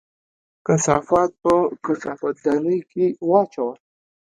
کثافات په کثافت دانۍ کې واچوه